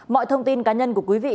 mọi thông tin cá nhân của quý vị